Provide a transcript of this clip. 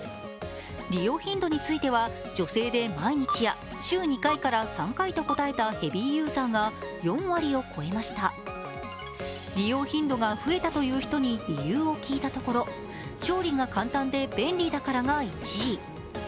利用頻度については、女性が毎日や週２回から３回と答えたヘビーユーザーが４割を超えました利用頻度が増えたという人に理由を聞いたところ、調理が簡単で便利だからが１位。